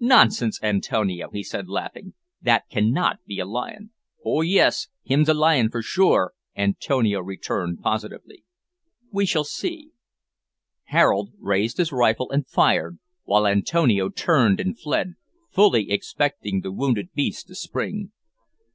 "Nonsense, Antonio!" he said, laughing; "that cannot be a lion." "Ho, yis, him's a lion, for sure," Antonio returned, positively. "We shall see." Harold raised his rifle and fired, while Antonio turned and fled, fully expecting the wounded beast to spring.